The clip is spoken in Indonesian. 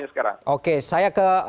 sekarang oke saya ke